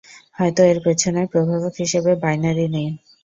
হয়তো এর পেছনে প্রভাবক হিসেবে বাইনারি নেই।